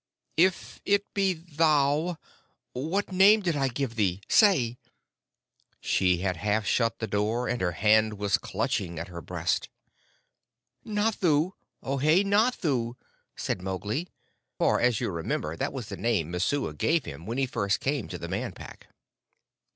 "If it be thou, what name did I give thee? Say!" She had half shut the door, and her hand was clutching at her breast. "Nathoo! Ohé Nathoo!" said Mowgli, for, as you remember, that was the name Messua gave him when he first came to the Man Pack.